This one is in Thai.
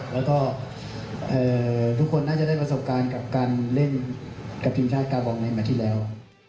แล้วก็ทุกคนน่าจะได้ประสบการณ์กับการเล่นกับทีมชาติกาบองในแมทที่แล้ว